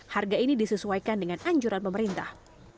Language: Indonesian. harga ini disesuaikan dengan anjuran pemerintah